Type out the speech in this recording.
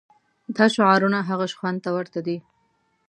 دا شعارونه هغه شخوند ته ورته دي.